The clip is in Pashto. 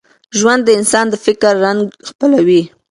ژوند د انسان د فکر رنګ خپلوي.